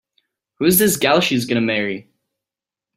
Who's this gal she's gonna marry?